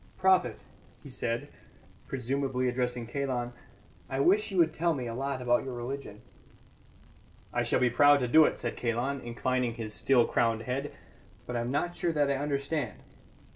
"Prophet," he said, presumably addressing Kalon, "I wish you would tell me a lot about your religion." "I shall be proud to do it," said Kalon, inclining his still crowned head, "but I am not sure that I understand."